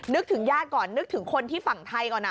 นึกถึงญาติก่อนนึกถึงคนที่ฝั่งไทยก่อนนะ